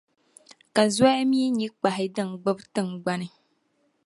Ka zoya mi nyɛ kpahi din gbibi tiŋgbani.